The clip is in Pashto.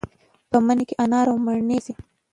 په مني کې انار او مڼې راځي.